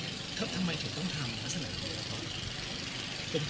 ทำไมถึงต้องทำลักษณะนี้ครับ